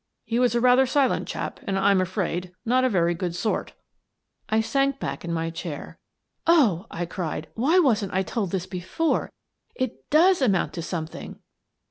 He was a rather silent chap and, I'm afraid, not a very good sort" I sank back in my chair. " Oh," I cried, " why wasn't I told this before? It does amount to something